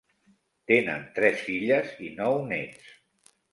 Tenen tres filles i nou néts.